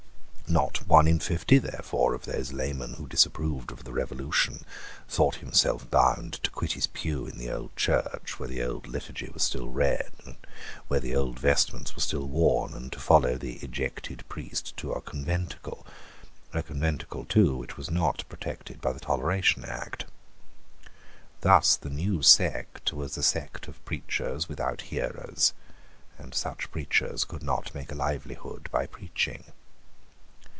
Not one in fifty, therefore, of those laymen who disapproved of the Revolution thought himself bound to quit his pew in the old church, where the old liturgy was still read, and where the old vestments were still worn, and to follow the ejected priest to a conventicle, a conventicle, too, which was not protected by the Toleration Act. Thus the new sect was a sect of preachers without hearers; and such preachers could not make a livelihood by preaching.